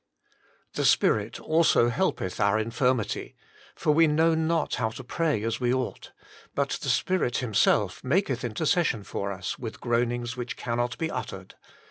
"The Spirit also helpeth our infirmity; for we know not how to pray as we ought : hut the Spirit Himself maketh intercession for us with groanings which cannot he uttered.